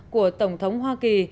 của tổng thống hoa kỳ